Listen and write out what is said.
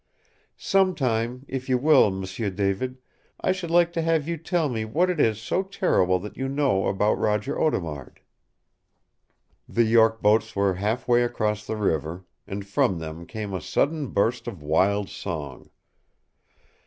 Sometime if you will, M'sieu David I should like to have you tell me what it is so terrible that you know about Roger Audemard." The York boats were half way across the river, and from them came a sudden burst of wild song.